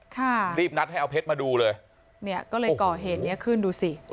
ค่ะรีบนัดให้เอาเพชรมาดูเลยเนี่ยก็เลยก่อเหตุเนี้ยขึ้นดูสิ